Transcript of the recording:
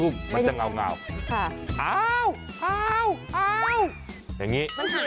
เป็นอย่างไง